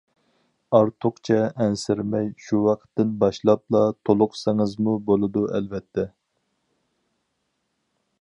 ئارتۇقچە ئەنسىرىمەي، شۇ ۋاقىتتىن باشلاپلا تولۇقلىسىڭىزمۇ بولىدۇ ئەلۋەتتە.